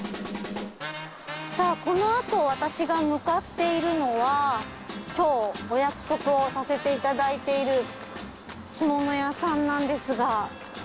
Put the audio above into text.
さぁこの後私が向かっているのは今日お約束をさせていただいている干物屋さんなんですが。